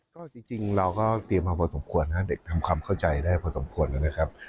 ก็จริงเราก็เตรียมมาพอสมควรนะเด็กทำความเข้าใจได้พอสมควรนะครับ